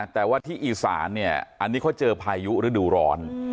แต่ว่าที่อีสานเนี่ยอันนี้เขาเจอพายุฤดูร้อน